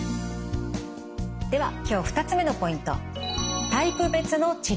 では今日２つ目のポイント。